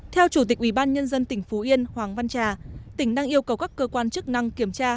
theo chủ tịch ubnd tỉnh phú yên hoàng văn trà tỉnh đang yêu cầu các cơ quan chức năng kiểm tra